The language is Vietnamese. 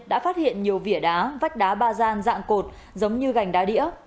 đã phát hiện nhiều vỉa đá vách đá ba gian dạng cột giống như gành đá đĩa